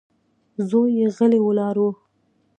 زوی يې غلی ولاړ و.